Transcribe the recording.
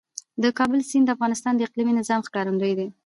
د کابل سیند د افغانستان د اقلیمي نظام ښکارندوی ده.